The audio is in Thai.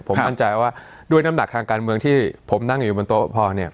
ผมมั่นใจว่าด้วยน้ำหนักทางการเมืองที่ผมนั่งอยู่บนโต๊ะพอเนี่ย